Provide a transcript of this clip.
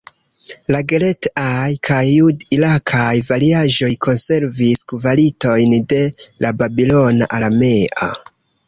La "gelet-aj" kaj jud-irakaj variaĵoj konservis kvalitojn de la babilona aramea.